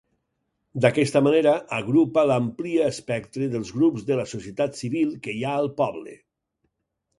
D'aquesta manera, agrupa l'amplia espectre dels grups de la societat civil que hi ha al poble.